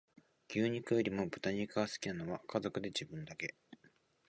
牛肉より豚肉が好きなのは家族で自分だけ